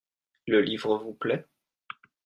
Le livre vous plait ?